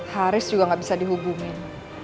haris juga nggak bisa dihubungin